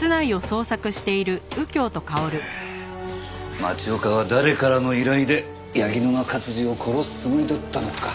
町岡は誰からの依頼で柳沼勝治を殺すつもりだったのか。